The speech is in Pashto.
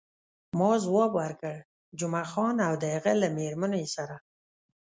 ما ځواب ورکړ، جمعه خان او د هغه له میرمنې سره.